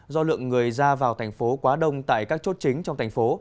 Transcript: do lượng người ra vào thành phố quá đông tại các chốt chính trong thành phố